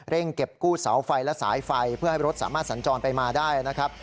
เก็บกู้เสาไฟและสายไฟเพื่อให้รถสามารถสัญจรไปมาได้นะครับ